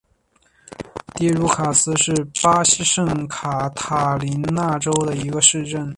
蒂茹卡斯是巴西圣卡塔琳娜州的一个市镇。